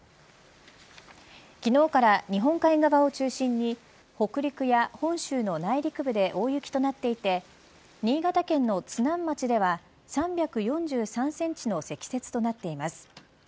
昨日から日本海側を中心に北陸や本州の内陸部で大雪となっていて新潟県の津南町では３４３センチの積雪となっています。